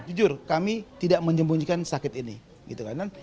jujur kami tidak menyembunyikan sakit ini gitu kan